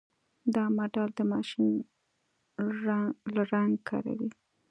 دا ماډل د ماشین لرنګ کاروي.